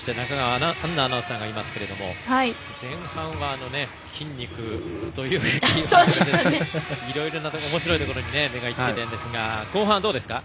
奈アナウンサーがいますけれども前半は筋肉というお話、いろいろなおもしろいところに目がいっていましたが後半はどうですか？